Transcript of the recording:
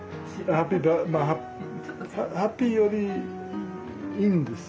ハッピーよりいいんですよ。